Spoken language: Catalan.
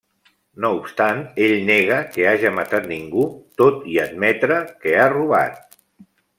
No obstant ell nega que haja matat ningú, tot i admetre que ha robat.